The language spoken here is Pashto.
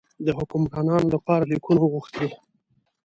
د حکمرانانو لپاره لیکونه وغوښتل.